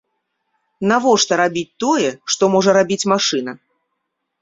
Навошта рабіць тое, што можа рабіць машына?